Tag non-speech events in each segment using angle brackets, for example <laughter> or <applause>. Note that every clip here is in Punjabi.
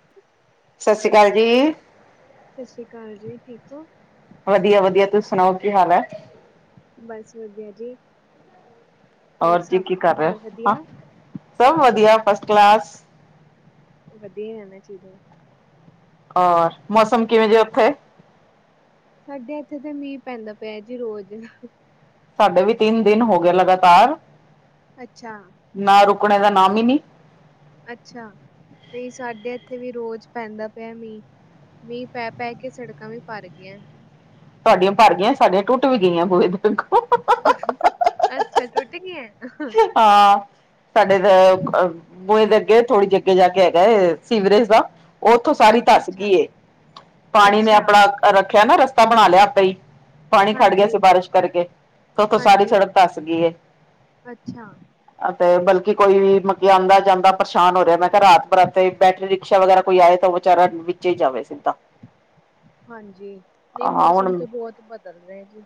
<inaudible> ਸਤਿ ਸ੍ਰੀ ਅਕਾਲ ਜੀ। ਸਤਿ ਸ੍ਰੀ ਅਕਾਲ ਜੀ, ਠੀਕ ਹੋ। ਵਧੀਆ- ਵਧੀਆ ਤੁਸੀਂ ਸੁਣਾਓ ਕੀ ਹਾਲ ਹੈ। ਬਸ ਵਧੀਆ ਜੀ। ਹੋਰ ਜੀ ਸਭ ਕੀ ਕਰ ਰਹੇ ਘਰ ਵਧੀਆ ਹੋ, ਸਭ ਵਧੀਆ ਫਸਟ ਕਲਾਸ। ਵਧੀਆ ਰਹਿਣਾ ਚਾਹੀਦਾ। ਹੋਰ ਮੌਸਮ ਕਿਵੇਂ ਜੇ ਉੱਥੇ? ਸਾਡੇ ਇੱਥੇ ਤਾਂ ਮੀਂਹ ਪੈਂਦਾ ਪਿਆ ਜੀ ਰੋਜ਼। ਸਾਡੇ ਵੀ ਤਿੰਨ ਦਿਨ ਹੋ ਗਏ ਲਗਾਤਾਰ- ਅੱਛਾ। ਨਾ ਰੁਕਣੇ ਦਾ ਨਾਮ ਹੀ ਨੀ। ਅੱਛਾ ਨਹੀਂ ਸਾਡੇ ਇੱਥੇ ਵੀ ਰੋਜ਼ ਪੈਂਦਾ ਪਿਆ ਮੀਂਹ। ਮੀਂਹ ਪੈ ਪੈ ਕੇ ਸੜਕਾਂ ਵੀ ਭਰ ਗਈਆਂ। ਤੁਹਾਡੀਆਂ ਭਰ ਗੀਆਂ ਸਾਡੀਆਂ ਟੁੱਟ ਵੀ ਗਈਆਂ ਬੁਏ ਅੱਛਾ ਟੁੱਟ ਗਈਆਂ ਹੈ। ਹਾਂ। ਸਾਡੇ ਬੂਹੇ ਦੇ ਅੱਗੇ ਥੋੜ੍ਹੀ ਜਹੀ ਅੱਗੇ ਜਾ ਕੇ ਹੈਗਾ ਹੈ ਸੀਵਰੇਜ ਦਾ ਉੱਥੋਂ ਸਾਰੀ ਅੱਛਾ ਧੱਸ ਅੱਛਾ ਗਈ ਏ ਪਾਣੀ ਨੇ ਅੱਛਾ ਆਪਣਾ ਰੱਖਿਆ ਨਾ ਰਸਤਾ ਬਣਾ ਲਿਆ ਆਪੇ ਹੀ। ਪਾਣੀ ਖੜ ਗਿਆ ਸੀ ਹਾਂਜੀ ਬਾਰਿਸ਼ ਕਰਕੇ ਤੇ ਉੱਥੋਂ ਸਾਰੀ ਹਾਂਜੀ ਸੜਕ ਧੱਸ ਗਈ। ਅੱਛਾ। ਤੇ ਬਲਕਿ ਕੋਈ ਵੀ ਮਤਲਬ ਆਉਂਦਾ ਜਾਂਦਾ ਪਰੇਸ਼ਾਨ ਹੋ ਰਿਹਾ ਮੈਂ ਕਿਹਾ ਰਾਤ ਬਰਾਤੇ ਬੈਟਰੀ ਰਿਕਸ਼ਾ ਵਗੈਰਾ ਕੋਈ ਆਏ ਤਾਂ ਉਹ ਵਿਚਾਰਾ ਵਿੱਚ ਹੀ ਜਾਵੇ ਸਿੱਧਾ ਹਾਂਜੀ। ਨਹੀਂ, ਹਾਂ ਮੌਸਮ ਤੇ ਬਹੁਤ ਬਦਲ ਰਿਹਾ ਜੀ।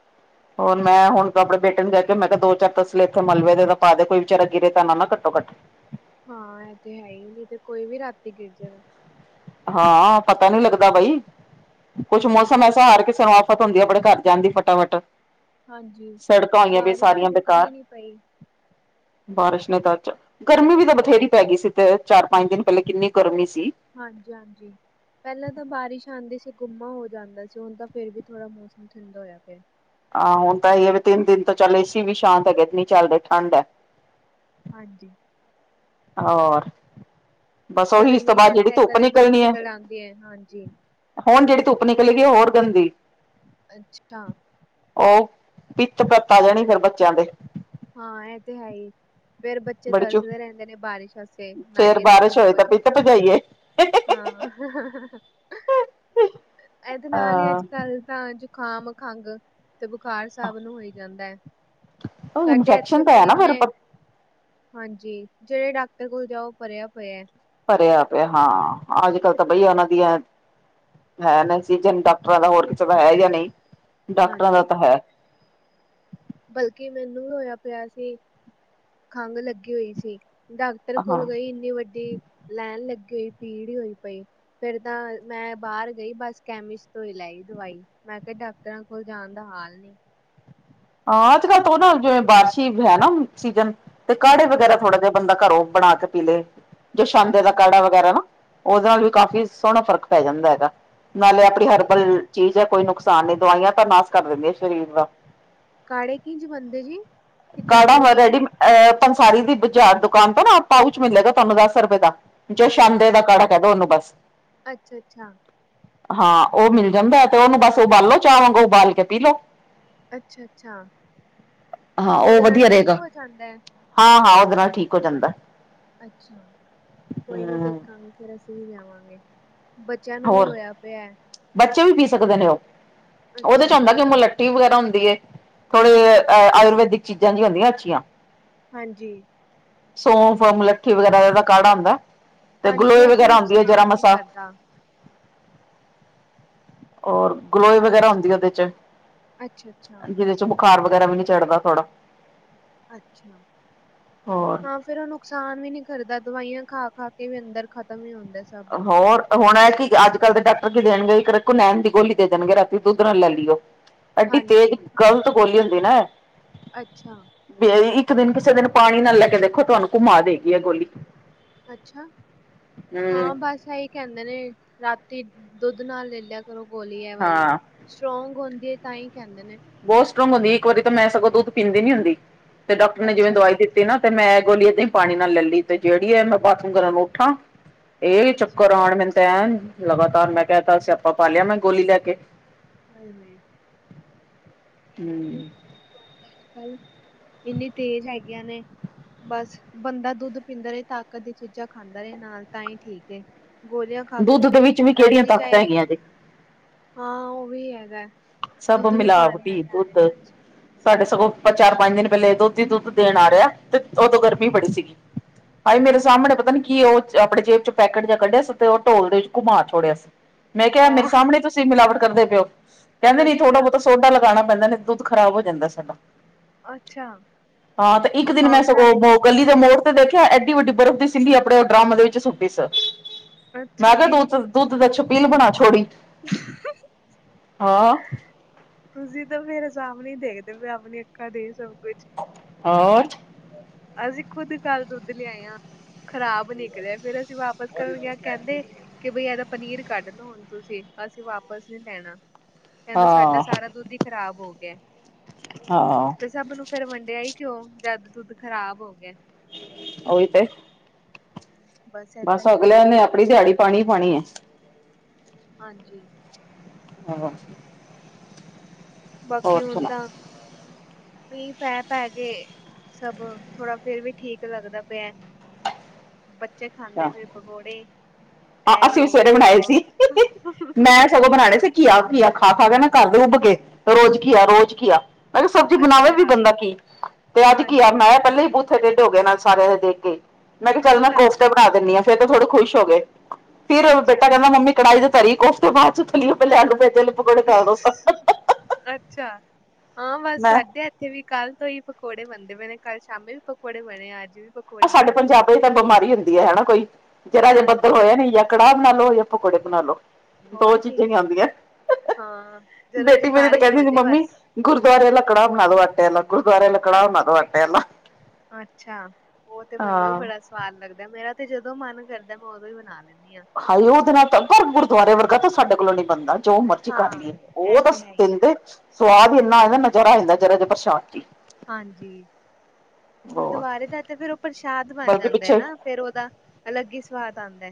ਹੋਰ ਮੈਂ ਹੁਣ ਤਾਂ ਆਪਣੇ ਬੇਟੇ ਨੂੰ ਕਹਿ ਕੇ ਮੈਂ ਕਿਹਾ ਦੋ, ਚਾਰ ਤਸਲੇ ਇੱਥੇ ਮਲਬੇ ਦੇ ਤਾਂ ਪਾ ਦੇ ਕੋਈ ਵਿਚਾਰਾ ਗਿਰੇ ਤਾਂ ਨਾ ਘੱਟੋ ਘੱਟ। ਹਾਂ ਇਹ ਤੇ ਹੈ ਹੀ, ਨਈ ਤੇ ਕੋਈ ਵੀ ਰਾਤੀ ਗਿਰ ਜੇ ਗਾ। ਹਾਂ ਪਤਾ ਨਹੀਂ ਲੱਗਦਾ ਬਈ, ਕੁੱਛ ਮੌਸਮ ਹੂੰ ਐਸਾ ਹਰ ਕਿਸੇ ਔ ਤੇ ਹੁੰਦੀ ਆ ਅਪਣੇ ਘਰ ਜਾਨ ਦੀ ਫਟਾਫਟ ਹਾਂਜੀ ਸੜਕਾਂ ਹੋਈਆਂ ਦੀਆਂ ਬਾਰਿਸ਼ ਤੇ ਸਾਰੀਆਂ ਰੁਕਦੀ ਹੀ ਬੇਕਾਰ ਨਹੀਂ ਪਈ ਬਾਰਿਸ਼ ਨੇ ਤਾਂ ਅੱਜ, ਗਰਮੀ ਵੀ ਤਾਂ ਬਥੇਰੀ ਪੈ ਗਈ ਸੀ ਤੇ ਚਾਰ, ਪੰਜ ਦਿਨ ਪਹਿਲੇ ਕਿੰਨੀ ਗਰਮੀ ਸੀ। ਹਾਂਜੀ ਹਾਂਜੀ। ਪਹਿਲਾਂ ਤਾਂ ਬਾਰਿਸ਼ ਆਉਂਦੀ ਸੀ ਗੁੰਮਾ ਹੋ ਜਾਂਦਾ ਸੀ ਹੁਣ ਤਾਂ ਫਿਰ ਵੀ ਥੋੜਾ ਮੌਸਮ ਠੰਢਾ ਹੋਇਆ ਪਿਆ। ਆਹ ਹੁਣ ਤਾਂਈ ਹੈ ਵੀ ਤਿੰਨ ਦਿਨ ਤੋਂ ਚੱਲ ਏਸੀ ਵੀ ਸ਼ਾਂਤ ਹੈਗੇ ਤੇ ਨਾ ਚੱਲ ਰਿਹਾ ਠੰਡ ਹੈ। ਹਾਂਜੀ। ਹੋਰ ਬਸ ਉਹੀ ਕਦੇ ਇਸ ਤੋਂ ਮੀਂਹ ਬਾਅਦ ਜਿਹੜੀ ਪੈਂਦਾ ਹੈ, ਧੁੱਪ ਕਦੇ ਨਿਕਰਨੀ ਹੈ। ਨਿਕਲ ਆਂਦੀ ਐ ਹਾਂਜੀ ਹੁਣ ਜਿਹੜੀ ਧੁੱਪ ਨਿਕਲੇ ਗਈ ਉਹ ਹੋਰ ਗੰਦੀ। ਅੱਛਾ। ਉਹ ਪਿੱਤ ਪਤਾ ਜਾਣੀ ਫਿਰ ਬੱਚਿਆਂ ਦੇ ਹਾਂ ਇਹ ਤੇ ਹੈ ਹੀ ਫੇਰ ਬੱਚੇ ਬੜੀ ਚੁ ਤਰਸਦੇ ਰਹਿੰਦੇ ਨੇ ਬਾਰਿਸ਼ ਵਾਸੇ ਫੇਰ ਨਾਈਏ ਤੇ ਬਾਰਿਸ਼ ਠੀਕ ਤਾਂ ਹੋਏ। ਪਿੱਤ ਭਜਾਈਏ। ਹਾਂ ਇਹਦੇ ਨਾਲ ਹੀ ਹਾਂ ਅੱਜ ਕੱਲ ਤਾਂ ਜੋ ਖਾਮ ਖੰਘ ਤੇ ਬੁਖਾਰ ਸਬ ਨੂੰ ਹੋ ਈ ਜਾਂਦਾ ਹੈ। ਉਹ ਸਾਡੇ ਇਨਫੈਕਸ਼ਨ ਇੱਥੇ ਤਾਂ ਵੀ ਹੈ ਨਾ ਫੇਰ ਇੰਨੇ ਹਾਂਜੀ, ਜਿਹੜੇ ਡਾਕਟਰ ਕੋਲ ਜਾਓ ਭਰਿਆ ਪਯਾ ਭਰਿਆ ਪਿਆ ਹਾਂ, ਅੱਜ ਕੱਲ ਤਾਂ ਬਈ ਉਹਨਾਂ ਦੀਆਂ ਹੈ ਨਹੀਂ ਸੀ ਜੇ ਡਾਕਟਰਾਂ ਦਾ, ਹੋਰ ਕਿਸੇ ਦਾ ਹੈ ਜਾਂ ਨਹੀਂ, ਡਾਕਟਰਾਂ ਦਾ ਹਾਂਜੀ। ਤਾਂ ਹੈ। ਬਲਕਿ ਮੈਨੂੰ ਵੀ ਹੋਇਆ ਪਿਆ ਸੀ, ਖੰਘ ਲੱਗੀ ਹੋਈ ਸੀ। ਡਾਕਟਰ ਕੋਲ ਹਾਂ ਗਈ, ਇੰਨੀ ਵੱਡੀ ਲੈਣ ਲੱਗੀ ਹੋਈ, ਭੀੜ ਹੋਈ ਪਈ ਫੇਰ ਤਾਂ ਮੈਂ ਬਾਹਰ ਗਈ ਬਸ ਕੈਮਿਸਟ ਤੋਂ ਹੀ ਲੈਈ ਦਵਾਈ। ਮੈਂ ਕਿਹਾ ਡਾਕਟਰਾਂ ਕੋਲ ਜਾਣ ਦਾ ਹਾਲ ਨਹੀਂ ਹਾਂ ਅੱਜ ਕੱਲ੍ਹ ਤੋਂ ਨਾ ਜਿਵੇਂ ਬਾਰਸ਼ੀ ਹੈ ਨਾ ਸੀਜਨ ਤੇ ਕਾੜੇ ਵਗੈਰਾ ਹਾਂਜੀ ਥੋੜਾ ਜਿਹਾ ਬੰਦਾ ਘਰੋਂ ਬਣਾ ਕੇ ਪੀ ਲਏ ਜੋਛਾਂਦੇ ਦਾ ਅੱਛਾ ਕਾੜਾ ਅੱਛਾ ਵਗੈਰਾ ਨਾ। ਉਹਦੇ ਨਾਲ ਵੀ ਕਾਫ਼ੀ ਸੋਹਣਾ ਫ਼ਰਕ ਪੈ ਜਾਂਦਾ ਹੈਗਾ, ਨਾਲੇ ਆਪਣੀ ਤੇ ਹਰਬਲ ਚੀਜ਼ ਹੈ ਕੋਈ ਨੁਕਸਾਨ ਨੁਕਸਾਨ ਨਈ। ਦਵਾਈਆਂ ਤਾਂ ਨਾਸ ਕਰ ਦੇੰਦਿਆ ਸਰੀਰ ਦਾ। ਕਾੜੇ ਕਿੰਝ ਬਣਦੇ ਜੀ? ਕਿੱਦਾਂ ਕਹਿ ਰਹੇ ਕਾੜਾ ਰੈਡੀ ਤੁਸੀਂ ਏਪੰਸਾਰੀ ਦੀ ਬਾਜ਼ਾਰ, ਦੁਕਾਨ ਤੋਂ ਨਾ ਪਾਊਚ ਮਿਲੇਗਾ ਤੁਹਾਨੂੰ ਦਸ ਰੁਪਏ ਦਾ। ਜੋਛਾਂਦੇ ਅੱਛਾ ਦਾ ਕੜਾ ਕਹ ਦੋ ਉਹਨੂੰ ਬਸ। ਅੱਛਾ ਅੱਛਾ ਹਾਂ ਉਹ ਮਿਲ ਜਾਂਦਾ ਏ, ਤੇ ਉਹਨੂੰ ਬਸ ਉਬਾਲੋ ਚਾਅ ਵਾਂਗ ਉਬਾਲ ਕੇ ਪੀ ਲੋੋ। ਅੱਛਾ- ਅੱਛਾ, ਉਹਦੇ ਨਾਲ ਠੀਕ ਹੋ ਜਾਂਦਾ ਏ। ਆ, ਹਾਂ, ਉਹਦੇ ਨਾਲ ਠੀਕ ਹੋ ਜਾਂਦਾ। ਅੱਛਾ ਕੋਈ ਨਹੀਂ ਹਮ ਦੇਖਾਂਗੇ ਫੇਰ ਅਸੀਂ ਵੀ ਲੇ ਆਵਾਂਗੇ। ਬੱਚਿਆਂ ਨੂੰ ਵੀ ਹੋਰ ਹੋਇਆ ਰਿਆ ਏ। ਬੱਚੇ ਵੀ ਪੀ ਸਕਦੇ ਨੇ ਉਹ। ਉਹਦੇ ਚ ਅੱਛਾ ਹੁੰਦਾ ਕਿ ਮੁਲੱਠੀ ਵਗੈਰਾ ਹੁੰਦੀ ਏ। ਥੋੜੇ ਅੱਛਾ ਅ ਅੱਛਾ ਆਯੁਰਵੈਦਿਕ ਚੀਜ਼ਾਂ ਦੀਆਂ ਹੁੰਦੀਆਂ ਅੱਛੀਆਂ। ਹਾਂਜੀ। ਸੌਂਫ, ਮਲੱਠੀ ਵਗੈਰਾ ਇਹ ਦਾ ਕਾੜਾ ਹੁੰਦਾ, ਤੇ ਹਾਂਜੀ ਗਲੋਏ ਇਹ ਤੇ ਵਗੈਰਾ ਹੁੰਦੀ ਹੈ ਜਰਾ ਨੁਕਸਾਨ ਨੀ ਮਾਸਾ। ਕਰਦਾ ਔਰ ਗਲੋਏ ਵਗੈਰਾ ਹੁੰਦੀ ਹੈ ਉਹਦੇ ਚ, ਅੱਛਾ-ਅੱਛਾ, ਜਿਹਦੇ ਚ ਬੁਖਾਰ ਵਗੈਰਾ ਵੀ ਨੀ ਚੜਦਾ ਥੋੜਾ ਅੱਛਾ। ਹੋਰ ਫੇਰ ਉਹ ਨੁਕਸਾਨ ਵੀ ਨੀ ਕਰਦਾ। ਦਵਾਈਆਂ ਖਾ- ਖਾ ਕੇ ਵੀ ਅੰਦਰ ਖ਼ਤਮ ਹੀ ਹੁੰਦਾ ਸਭ। ਹੋਰ ਹੁਣ ਹੈ ਕਿ ਅੱਜ ਕੱਲ ਦੇ ਡਾਕਟਰ ਕੀ ਦੇਣਗੇ ਇੱਕ ਰਕੋਨੈਣ ਦੀ ਗੋਲੀ ਦੇ ਦੇਣਗੇ ਰਾਤੀ ਦੁੱਧ ਨਾਲ ਲੈ ਲਿਓ ਐਡੀ ਤੇਜ਼ ਹਾਂਜੀ, ਗ਼ਲਤ ਗੋਲੀ ਹੁੰਦੀ ਹਨਾ ਅੱਛਾ ਇੱਕ ਦਿਨ ਕਿਸੇ ਦਿਨ ਪਾਣੀ ਨਾਲ ਲੈ ਕੇ ਦੇਖੋ ਤੁਹਾਨੂੰ ਘੁੰਮਾ ਦੇਗੀ ਆ ਗੋਲੀ ਅੱਛਾ ਹਮ ਹਾਂ ਬਸ ਇਹੀ ਕਹਿੰਦੇ ਨੇ ਰਾਤੀ ਦੁੱਧ ਨਾਲ ਲੈ ਲਿਆ ਕਰੋ ਗੋਲੀ ਹੈ ਵਾਲੀ ਹਾਂ ਸਟਰੋਂਗ ਹੁੰਦੀ ਹੈ ਤਾਂ ਹੀ ਕਹਿੰਦੇ ਨੇ ਬਹੁਤ ਸਟਰੋਂਗ ਹੁੰਦੀ ਇੱਕ ਵਾਰੀ ਤਾਂ ਮੈਂ ਸਗੋਂ ਦੁਧ ਪੀਂਦੀ ਨੀ ਹੁੰਦੀ ਤੇ ਡਾਕਟਰ ਨੇ ਜਿਵੇਂ ਅੱਛਾ, ਦਵਾਈ ਦਿੱਤੀ ਤੇ ਨਾ ਮੈਂ ਗੋਲੀ ਅਦਾ ਹੀ ਪਾਣੀ ਨਾਲ ਲੈ ਲਈ ਤੇ ਜਿਹੜੀ ਹੈ ਮੈਂ ਬਾਥਰੂਮ ਕਰਨ ਨੂੰ ਉੱਠਾਂ ਇਹ ਅੱਛਾ ਚੱਕਰ ਆਉਣ ਮੈਨੂੰ ਐ ਲਗਾਤਾਰ ਮੈਂ ਕਹਿ ਅਜ ਤੇ ਸੀਆਪਾਂ ਪਾ ਲਿਆ ਮੈਂ ਗੋਲੀ ਲੈ ਕੇ ਹੋਏ ਲਈ <inaudible> ਹੂੰ ਅੱਜ ਕੱਲ ਇੰਨੀੇ ਤੇਜ਼ ਹੈਗੀਆਂ ਨੇ <inaudible> ਬਸ ਬੰਦਾ ਦੁੱਧ ਪੀਂਦਾ ਰਹੇ, ਤਾਕਤ ਦੀਆਂ ਚੀਜ਼ਾਂ ਖਾਂਦਾ ਰਹੇ ਨਾਲ, ਤਾਂ ਹੀ ਠੀਕ ਏ। ਗੋਲੀਆਂ ਖਾ ਕੇ ਦੁੱਧ ਦੇ ਤੇ, ਵਿੱਚ ਵੀ ਕਿਹੜੀਆਂ ਰਾਤੀ ਤਾਕਤਾਂ ਚਾਹੇ ਹੈਗੀਆਂ ਜੇ ਹਾਂ ਉਹ ਵੀ ਹੈਗਾ। ਸਭ ਦੁੱਧ ਵੀ ਪਾਣੀ ਮਿਲਾਵਟੀ ਵਾਲੇ ਆ ਰਹੇ ਦੁੱਧ ਨੇ ਅੱਜ। ਸਾਡੇ ਸਗੋਂ ਚਾਰ ਪੰਜ ਦਿਨ ਪਹਿਲੇ ਦੋਧੀ, ਦੁੱਧ ਦੇਣ ਆ ਰਿਹਾ ਤੇ ਉਦੋਂ ਗਰਮੀ ਬੜੀ ਸੀਗੀ। ਆਏ ਮੇਰੇ ਸਾਹਮਣੇ ਪਤਾ ਨੀ ਕੀ ਉਹ ਆਪਣੇ ਜੇਬ ਚ ਪੈਕਟ ਜਾਂ ਕੱਢਿਆ ਸੀ ਤੇ ਉਹ ਢੋਲ ਦੇ ਵਿੱਚ ਘੁਮਾ ਛੋੜਿਆ ਸੀ। ਮੈਂ ਕਿਹਾ ਮੇਰੇ ਹਾਂ, ਸਾਹਮਣੇ ਤੁਸੀਂ ਮਿਲਾਵਟ ਕਰਦੇ ਪਏ ਔ। ਕਹਿੰਦੇ ਨਈ ਥੋੜਾ ਅੱਛਾ। ਬਹੁਤਾ ਸੋਡਾ ਲਗਾਣਾ ਪੈਂਦਾ ਨਈ ਤਾਂ ਦੁੱਧ ਖਰਾਬ ਹੋ ਜਾਂਦਾ ਸਾਡਾ। ਅੱਛਾ, ਹਾਂ ਤੇ ਇੱਕ ਉਹ ਦਿਨ ਮੈਂ ਪਾਊਡਰ ਵਾਲੇ ਸਗੋਂ ਦੁੱਧ ਹੀ ਗਲੀ ਦੇ ਹੁੰਦੇ ਮੋੜ ਨੇ। ਤੇ ਦੇਖ ਐਡੀ ਵੱਡੀ ਬਰਫ਼ ਦੀ ਸਿਲੀ ਆਪਣੇ ਡਰਾਮਾ ਦੇ ਵਿੱਚ ਸੁੱਟੀ ਸ ਅੱਛਾ, ਮੈਂ ਕਿਹਾ ਦ ਦੁੱਧ ਦਾ ਛਪੀਲ ਬਣਾ ਛੋੜੀ <inaudible> ਹਾਂ ਤੁਸੀਂ ਤਾਂ ਫੇਰ ਸਾਮਣੇ ਦੇਖਦੇ ਪਏ ਅਪਣਿਆ ਅੱਖਾਂ ਦੇ ਸਭ ਕੁਛ ਹੋਰ ਅਸੀਂ ਖੁਦ ਕੱਲ ਦੁੱਧ ਲਿਆਏ ਹਾ ਖ਼ਰਾਬ ਨੀ ਲਿਆ ਫੇਰ ਅਸੀਂ ਵਾਪਸ ਕਰਨ ਗਿਆ ਕਹਿੰਦੇ ਕਿ ਬਈ ਇਹਦਾ ਪਨੀਰ ਕੱਢ ਲਓ ਹੁਣ ਤੁਸੀਂ ਅਸੀਂ ਵਾਪਿਸ ਨਈ ਲੈਣਾ ਕਹਿੰਦਾ ਸਾਡਾ ਹਾਂ ਸਾਰਾ ਦੁੱਧ ਹੀ ਖ਼ਰਾਬ ਹੋ ਗਿਆ। ਹਾਂ ਤੇ ਸਭ ਨੂੰ ਫੇਰ ਵੰਡਿਆ ਹੀ ਕਿਉਂ ਜਦ ਦੁੱਧ ਖਰਾਬ ਹੋ ਗਿਆ। ਉਹੀ ਤੇ ਏਦਾਂ ਬਸ ਹੀ ਅਗਲਿਆਂ ਨੇ ਆਪਣੀ ਦਿਹਾੜੀ ਪਾਣੀ ਹੀ ਪਾਣੀ ਹੈ। ਹਾਂਜੀ ਆਹੋ ਬਾਕੀ ਹੁਣ ਤਾਂ ਸੁਣਾ ਮੀਂਹ ਪੈ- ਪੈ ਗਏ ਸਭ ਥੋੜਾ ਫੇਰ ਵੀ ਠੀਕ ਲੱਗਦਾ ਪਿਆ। ਬੱਚੇ ਖਾਂਦੇ ਪਏ ਪਕੌੜੇ ਹਾਂ ਇਹ ਅਸੀਂ ਦੋ ਵੀ ਸਵੇਰੇ ਉਹ ਬਣਾਏ ਦੋ। ਸੀ, ਮੈਂ ਸਗੋਂ ਬਣਾਉਣੇ ਸੀ ਘਿਆ- ਘਿਆ ਖਾ- ਖਾ ਕੇ ਨਾ ਘਰ ਦੇ ਉੱਬ ਕੇ ਰੋਜ਼ ਘਿਆ ਰੋਜ਼ ਘਿਆ ਅਰੇ ਸਬਜ਼ੀ ਬਣਾਵੇ ਅੱਛਾ ਵੀ ਬੰਦਾ ਕੀ, ਤੇ ਅੱਜ ਘਿਆ ਹਾਂਜੀ ਬਨਾਇਆ ਪਹਿਲਾ ਵੀ ਬੂ ਫੇਰ ਢਿੱਢ ਹੋ ਗਏ ਨਾਲ ਸਾਰਿਆਂ ਦੇਖ ਕੇ, ਮੈਂ ਕਿਹਾ ਚੱਲ ਮੈਂ ਅੱਛਾ ਕੋਫਤਾ ਬਣਾ ਦਿੰਦੀਆ ਫਿਰ ਥੋੜੇ ਖੁਸ਼ ਹੋ ਗਏ ਫਿਰ ਅੱਛਾ। ਬੇਟਾ ਕਹਿੰਦਾ ਮੰਮੀ ਕੜਾਹੀ ਦੇ ਧਰੀ ਕੋਫਤੇ ਬਾਅਦ ਚ ਤਲਿਔ ਪਹਿਲੇ ਆਲੂ ਪਿਆਜ਼ ਦੇ ਅੱਛਾ, ਹਾਂ ਬਸ ਮੈਂ ਸਾਡੇ ਇੱਥੇ ਵੀ ਕਲ ਤੋਂ ਹੀ ਪਕੌੜੇ ਬਣਦੇ ਪਏ ਨੇ ਕਲ ਸ਼ਾਮੀ ਵੀ ਪਕੌੜੇ ਬਣੇ ਆ, ਅੱਜ ਵੀ ਪਕੌੜੇ ਆ ਸਾਡੇ ਬਣੇ ਪੰਜਾਬ ਚ ਤਾਂ ਬਿਮਾਰੀ ਹੁੰਦੀ ਹੈ ਹਨਾ ਕੋਈ ਜਰਾ ਜੇ ਬੱਦਲ ਹਾਂਜੀ ਹੋਇਆ ਨੀ ਜਾਂ ਕੜਾਹ ਬਣਾ ਲਓ ਜਾਂ ਪਕੌੜੇ ਬਣਾ ਲਓ ਦੋ ਹੋਰ ਕੀ ਚੀਜ਼ਾਂ ਹੀ ਆਉਂਦੀਆਂ, ਹਾਂ ਜਰਾ ਜੀ ਬੇਟੀ ਮੇਰੀ ਤਾਂ ਬਾਰਿਸ਼ ਕਹਿੰਦੀ ਹੋ ਹੁੰਦੀ ਜੇ ਮੰਮੀ ਬਸ ਗੁਰਦੁਆਰੇ ਵਾਲਾ ਕੜਾਹ ਬਣਾ ਲਓ ਆਟੇ ਵਾਲਾ, ਗੁਰਦੁਆਰੇ ਵਾਲਾ ਕੜਾਹ ਬਣਾ ਲਓ ਆਟੇ ਵਾਲਾ ਅੱਛਾ, ਉਹ ਤੇ ਮੈੰਨੂੰ ਵੀ ਹਾਂ ਬੜਾ ਸਵਾਦ ਲੱਗਦਾ, ਮੇਰਾ ਤੇ ਜਦੋਂ ਮਨ ਕਰਦਾ ਮੈਂ ਉਦੋਂ ਹੀ ਬਣਾ ਲੈਂਦੀ ਹਾਂ ਹਾ ਉਹਦੇ ਨਾਲ ਪਰ ਗੁਰਦੁਆਰੇ ਵਰਗਾ ਤਾਂ ਸਾਡੇ ਕੋਲੋਂ ਨੀ ਬਣਦਾ ਜੋ ਮਰਜ਼ੀ ਕਰ ਹਾਂ ਲਈਏ ਇਹ ਉਹ ਤਾਂ ਤੇ ਹੈ ਹੀ ਦਿੰਦੇ, ਸਵਾਦ ਹੀ ਇੰਨਾ ਆ ਜਾਂਦਾ ਨਜ਼ਾਰਾ ਆ ਜਾਂਦਾ ਜਰਾ ਜ ਪ੍ਰਸ਼ਾਦ 'ਚ ਹੀ ਹਾਂਜੀ, ਬਹੁਤ ਗੁਰਦੁਆਰੇ ਦਾ ਤੇ ਫਿਰ ਉਹ ਪ੍ਰਸ਼ਾਦ ਬਣ ਬਲਕਿ ਜਾਂਦਾ ਪਿੱਛੇ ਨਾ ਫੇਰ ਉਹਦਾ, ਅਲੱਗ ਹੀ ਸਵਾਦ ਆਉਂਦਾ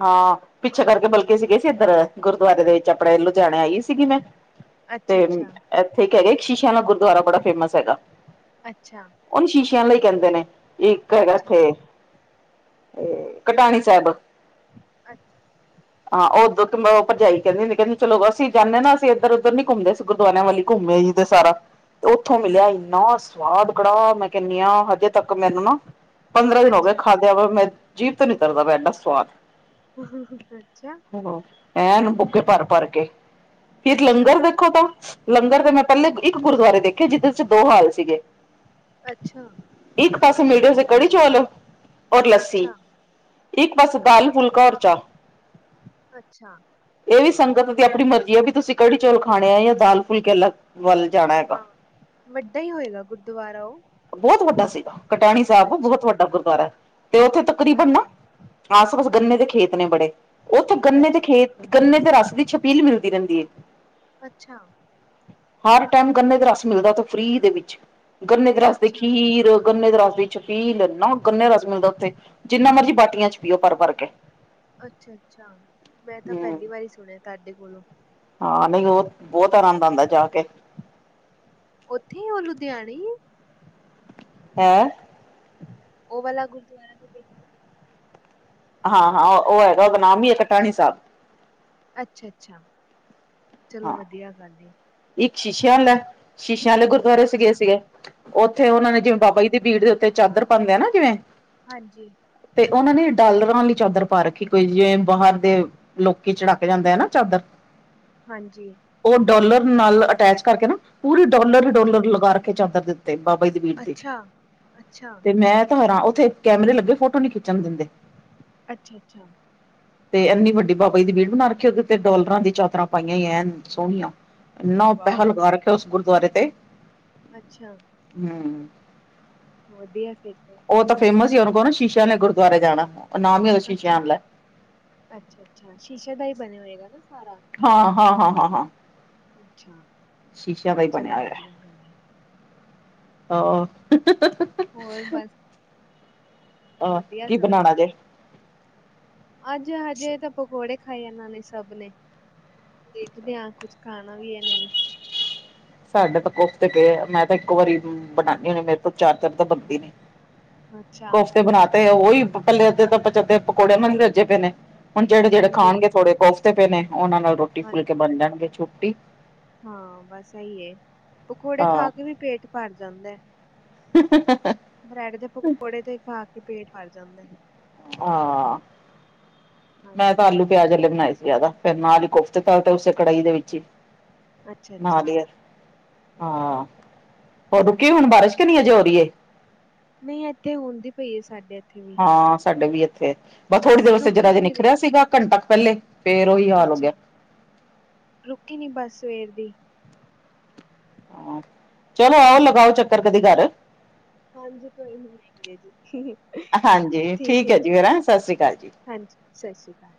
ਹਾਂ ਪਿੱਛੇ ਕਰਕੇ ਬਲਕੇ ਗਏ ਸੀ ਇੱਧਰ, ਗੁਰਦੁਆਰੇ ਦੇ ਵਿੱਚ ਆਪਣੇ ਲੁਧਿਆਣੇ ਆਈ ਸੀਗੀ ਮੈਂ ਅੱਛਾ ਤੇ ਅੱਛਾ ਇੱਥੇ ਕ ਹੈਗਾ ਸ਼ੀਸ਼ਿਆਂ ਵਾਲਾ ਗੁਰਦੁਆਰਾ ਬੜਾ ਫੇਮਸ ਹੈਗਾ ਅੱਛਾ ਉਹਨੂੰ ਸ਼ੀਸ਼ਿਆਂ ਵਾਲਾ ਹੀ ਕਹਿੰਦੇ ਨੇ, ਇੱਕ ਹੈ ਅੱਛਾ ਇੱਥੇ ਏ ਕਟਾਣੀ ਸਾਹਿਬ ਅੱਛਾ ਹਾਂ ਉੱਧਰ ਭਰਜਾਈ ਕਹਿੰਦੀ ਸੀ ਚਲੋ ਅਸੀਂ ਜਾਂਦੇ ਹ ਨਾ ਅਸੀਂ ਇੱਧਰ ਉਧਰ ਨੀ ਘੁੰਮਦੇ ਸੀ ਗੁਰਦੁਆਰਿਆਂ ਵਾਲੀ ਘੁੰਮੇ ਜੀ ਤੇ ਸਾਰਾ, ਤੇ ਉੱਥੋਂ ਅੱਛਾ ਮਿਲਿਆ ਇੰਨਾ ਸਵਾਦ ਕੜਾਹ ਮੈਂ ਕਹਿੰਦੀ ਆ ਹਜੇ ਤੱਕ ਮੈਨੂੰ ਨਾ ਪੰਦਰਾਂ ਦਿਨ ਹੋ ਗਏ ਅੱਛਾ ਖਾਦਿਆ ਵਾ, ਮੈਂ ਜੀਭ ਤੋਂ ਨੀ ਉਤਰਦਾ ਪਿਆ ਇੰਨਾ ਸਵਾਦ ਹਮ ਹਮ ਹ ਅੱਛਾ ਐਨ ਬੁਕੇ ਭਰ- ਭਰ ਕੇ, ਇਕ ਲੰਗਰ ਅੱਛਾ ਦੇਖੋ ਤਾਂ ਲੰਗਰ ਦੇ ਮੈਂ ਪਹਿਲੇ ਇੱਕ ਗੁਰਦੁਆਰੇ ਦੇਖੇ ਜਿਹਦੇ 'ਚ ਦੋ ਹਾਲ ਸੀਗੇ ਅੱਛਾ ਇੱਕ ਪਾਸੇ ਮੜਸ ਕੜੀ ਚੋਲ ਔਰ ਲੱਸੀ, ਅੱਛਾ ਇੱਕ ਪਾਸੇ ਅੱਛਾ ਦਾਲ ਫੁਲਕਾ ਔਰ ਚਾਹ ਅੱਛਾ ਇਹ ਵੀ ਸੰਗਤ ਦੀ ਫਿਰ ਆਪਣੀ ਮਰਜ਼ੀ ਆ ਵੀ ਤੁਸੀਂ ਕੜੀ ਚੌਲ ਖਾਣੇ ਆ ਜਾਂ ਦਾਲ ਫੁਲਕੇ ਵੱਲ ਜਾਣਾ ਹੈਗਾ ਹਾਂ ਵੱਡਾ ਹੀ ਹੋਏਗਾ ਗੁਰਦੁਆਰਾ ਉਹ ਬਹੁਤ ਵੱਡਾ ਸੀਗਾ, ਕਟਾਣੀ ਸਾਹਿਬ ਅੱਛਾ ਬਹੁਤ ਵੱਡਾ ਗੁਰਦਆਰਾ, ਤੇ ਉੱਥੇ ਤਕਰੀਬਨ ਨਾ ਅੱਛਾ ਆਸ ਪਾਸ ਗੰਨੇ ਦੇ ਖੇਤ ਨੇ ਬੜੇ, ਉੱਥੇ ਗੰਨੇ ਦੇ ਅੱਛਾ ਅੱਛਾ ਖੇਤ ਗੰਨੇ ਦੇ ਰਸ ਦੀ ਛਬੀਲ ਮਿਲਦੀ ਰਹਿੰਦੀ ਹੈ ਅੱਛਾ ਹਰ ਟਾਈਮ ਗੰਨੇ ਦਾ ਰਸ ਮਿਲਦਾ ਫ੍ਰਰੀ ਦੇ ਵਿੱਚ, ਗੰਨੇ ਦੇ ਰਸ ਦੀ ਅੱਛਾ ਖੀਰ ਗੰਨੇ ਦੇ ਰਸ ਦੀ ਛਬੀਲ, ਇੰਨਾ ਗੰਨੇ ਦਾ ਰਸ ਮਿਲਦਾ ਉੱਥੇ ਜਿੰਨਾ ਮਰਜ਼ੀ ਬਾਟੀਆਂ ਚ ਪੀਓ ਭਰ -ਭਰ ਕੇ ਅੱਛਾ- ਅੱਛਾ ਮੈਂ ਤਾਂ ਹੂੰ ਪਹਿਲੀ ਵਾਰੀ ਸੁਣਿਆ ਤੁਹਾਡੇ ਕੋਲੋਂ ਹਾਂ ਨਹੀਂ ਉਹ ਬਹੁਤ ਆਰਾਮ ਆਉਂਦਾ ਜਾ ਕੇ ਉੱਥੇ ਉਹ ਲੁਧਿਆਣੇ ਹੈਂ ਉਹ ਵਾਲਾ ਗੁਰਦੁਆਰਾ ਦੇ ਦੇਖ ਹਾਂ, ਹਾਂ ਉਹ ਹੈਗਾ ਉਹਦਾ ਨਾਮ ਹੀ ਹੈ ਕਟਾਣੀ ਸਾਹਿਬ ਅੱਛਾ- ਅੱਛਾ ਚਲੋ ਹਾਂ ਵਧੀਆ ਗੱਲ ਇੱਕ ਸ਼ੀਸ਼ਿਆਂ ਵਾਲਾ, ਸ਼ੀਸ਼ਿਆਂ ਵਾਲੇ ਗੁਰਦੁਆਰੇ ਸੀ ਗਏ ਅੱਛਾ, ਸੀਗੇ, ਉੱਥੇ ਉਹਨਾ ਨੇ ਜਿਵੇਂ ਅੱਛਾ, ਬਾਬਾ ਜੀ ਦੀ ਬੀੜ ਦੇ ਉੱਤੇ ਚਾਦਰ ਪਾਉਂਦੇ ਆ ਨਾ ਜਿਵੇਂ ਹਾਂਜੀ ਤੇ ਉਹਨਾਂ ਨੇ ਡਾਲਰਾਂ ਲਈ ਚਾਦਰ ਪਾ ਰੱਖੀ ਕੋਈ ਜਿਵੇਂ ਬਾਹਰ ਦੇ ਲੋਕੀ ਚੜਾਕੇ ਜਾਂਦੇ ਆ ਨਾ ਚਾਦਰ ਹਾਂਜੀ ਉਹ ਡੋਲਰ ਨਾਲ ਅਟੈਚ ਕਰਕੇ ਨਾ ਪੂਰੀ ਡੋਲਰ ਹੀ ਹਾਂਜੀ, ਡੋਲਰ ਲਗਾ ਰੱਖੇ ਚਾਦਰ ਤੇ ਤੇ ਬਾਬਾ ਜੀ ਦੀ ਬੀੜ ਅੱਛਾ। ਅੱਛਾ, ਤੇ ਮੈਂ ਤਾਰਾਂ ਉਥੇ ਕੈਮਰੇ ਲੱਗੇ ਫੋਟੋ ਨੀ ਖਿੱਚਣ ਦਿੰਦੇ। ਅੱਛਾ-ਅੱਛਾ ਤੇ ਇੰਨੀ ਵੱਡੀ ਬਾਬਾ ਜ ਦੀ ਬੀੜ ਬਣਾ ਰਖੀ ਕੇ ਉਹਦੇ ਤੇ ਡਾਲਰਾਂ ਦੀ ਚਾਦਰਾ ਪਾਈਆਂ। ਨਹੀਂ ਐਨ ਸੋਹਣੀਆਂ ਇੰਨਾ ਵਾਹ! ਪੈਹਾ ਲਗਾ ਰੱਖਿਆ ਉਸ ਗੁਰਦੁਆਰੇ ਤੇ ਅੱਛਾ ਹੂੰ ਵਧੀਆ ਫਿਰ ਤੇ ਉਹ ਤਾਂ ਫੇਮਸ ਹੀ ਕਹੋ ਨਾ ਸ਼ੀਸ਼ਿਆਂ ਵਾਲੇ ਗੁਰਦੁਆਰੇ ਜਾਣਾ ਉਹ ਨਾਮ ਹੀ ਉਹਦਾ ਸ਼ੀਸ਼ਿਆਂ ਅੱਛਾ। ਵਾਲਾ ਅੱਛਾ-ਅੱਛਾ ਸ਼ੀਸ਼ੇ ਦਾ ਹੀ ਬਣਿਆ ਹੋਏਗਾ ਨਾ ਸਾਰਾ ਹਾਂ-ਹਾਂ-ਹਾਂ-ਹਾਂ ਅੱਛਾ, ਸ਼ੀਸ਼ਿਆਂ ਦਾ ਹੀ ਬਣਿਆ ਚਲੋ ਹੋਇਆ। ਵਧੀਆ ਗੱਲ ਏ। ਆ <inaudible> ਹੋਰ ਬਸ ਅ ਵਧੀਆ ਕੀ ਸਭ। ਬਣਾਂਣਾ ਜੇ ਅੱਜ ਹਜੇ ਤਾਂ ਪਕੌੜੇ ਖਾਏ ਇਹਨਾਂ ਨੇ ਸਭ ਨੇ ਹੁਣ ਦੇਖਦੇ ਹਾਂ ਕੁੱਛ ਖਾਣਾ ਵੀ ਹੈ ਨਹੀਂ ਸਾਡੇ ਤਾਂ ਕੋਫਤੇ ਪਏ ਆ ਮੈਂ ਤਾਂ ਇੱਕ ਵਾਰੀ ਬਣਾਣੀ ਹੁਣੀ ਮੇਰੇ ਤੋਂ ਚਾਰ -ਚਾਰ ਤਾਂ ਬਣਦੀ ਨਹੀਂ। ਅੱਛਾ, ਕੋਫਤੇ ਬਣਾ ਤੇ ਉਹੀ ਪੱਲੇ ਅੱਧੇ ਤੇ ਪੱਚਧੇ ਪਕੌੜੇ ਨਾਲ ਰਜੇ ਪਏ ਨੇ। ਹੁਣ ਜਿਹੜੇ- ਜਿਹੜੇ ਹਾਂਜੀ। ਖਾਣਗੇ ਥੋੜੇ ਕੋਫਤੇ ਪਏ ਨੇ ਉਹਨਾਂ ਨਾਲ ਰੋਟੀ ਫੁੱਲਕੇ ਹਾਂਜੀ, ਬਣ ਜਾਣਗੇ ਛੁੱਟੀ ਹਾਂ ਬਸ ਇਹੀ ਪਕੌੜੇ ਹਾਂ ਖਾ ਕੇ ਵੀ ਪੇਟ ਭਰ ਜਾਂਦਾ। <inaudible> ਬ੍ਰੈਡ ਦੇ ਪਕੌੜੇ ਤੇ ਖਾ ਕੇ ਪੇਟ ਭਰ ਜਾਂਦਾ। ਹਾਂ ਮੈਂ ਹਾਂਜੀ ਤਾਂ ਆਲੂ ਪਿਆਜ ਆਲੇ ਬਣਾਏ ਸੀ ਜਿਆਦਾ ਫਿਰ ਨਾਲ ਹੀ ਕੋਫਤੇ ਤਲ ਤੇ ਉਸੇ ਕੜਾਹੀ ਦੇ ਵਿੱਚ ਹੀ ਅੱਛਾ ਨਾਲ ਅੱਛਾ ਈ ਹਾਂ ਹੋਰ ਰੁੱਕੀ ਹੁਣ ਬਾਰਿਸ਼ ਕੀ ਨਹੀਂ ਅਜੇ ਹੋ ਰਹੀ ਏ। ਨਹੀਂ ਇੱਥੇ ਹੁੰਦੀ ਪਈ ਹੈ ਸਾਡੇ ਇੱਥੇ। ਵੀ ਹਾਂ ਸਾਡੇ ਵੀ ਇੱਥੇ ਬ ਥੋੜੀ ਦੇਰ ਵਾਸਤੇ ਰੁਕੀ ਜਰਾ ਜਿਹਾ ਨੀ ਰਹੀ ਨਿਖਰਿਆ ਸੀਗਾ ਘੰਟਾ ਕ ਪਹਿਲੇ ਫੇਰ ਉਹੀ ਹਾਲ ਹੋ ਗਿਆ ਅੱਛਾ ਰੁਕੀ ਨਹੀਂ ਬਸ ਸਵੇਰ ਦੀ ਅ ਚਲੋ ਆਓ ਲਗਾਓ ਚੱਕਰ ਕਦੀ ਘਰ ਹਾਂਜੀ ਕੋਈ ਨੀ ਹੈਗੀ ਹੈ ਜੀ। <inaudible> ਹਾਂਜੀ ਠੀਕ ਹੈ ਜੀ ਹਨਾ ਫਿਰ ਸਤਿ ਸ਼੍ਰੀ ਅਕਾਲ ਜੀ। ਹਾਂਜੀ ਸਤਿ ਸ਼੍ਰੀ ਅਕਾਲ।